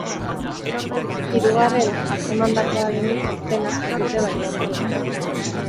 Hirugarren atzemandakoaren izena ez dute baieztatu oraindik.